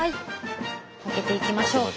開けていきましょうか。